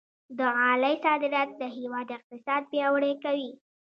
د غالۍ صادرات د هېواد اقتصاد پیاوړی کوي.